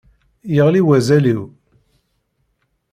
Yeɣli wazal-iw.